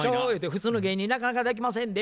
「普通の芸人なかなかできませんで」。